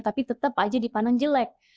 tapi tetap aja dipandang jelek